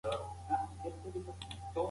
که غله ونیول شي نو حکومت ته به وسپارل شي.